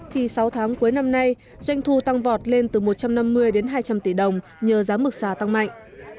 thì sáu tháng cuối năm nay doanh thu tăng vọt lên từ một trăm năm mươi đến hai trăm linh tỷ đồng nhờ giá mực xà tăng mạnh